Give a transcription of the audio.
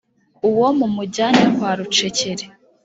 Uwo mumujyane kwa Rucekeri